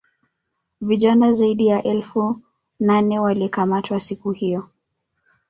vijana zaidi ya elfu nane walikamatwa siku hiyo